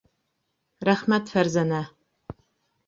Рәхмәт, Фәрзәнә.